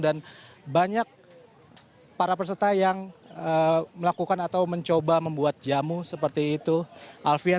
dan banyak para peserta yang melakukan atau mencoba membuat jamu seperti itu alfian